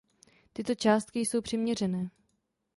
Tyto částky jsou přiměřené.